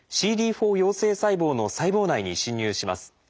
４陽性細胞の細胞内に侵入します。